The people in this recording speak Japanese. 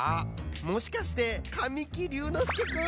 もしかして神木隆之介くん？